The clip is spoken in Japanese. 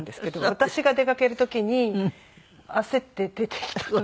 私が出かける時に焦って出てきた時の。